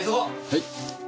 はい。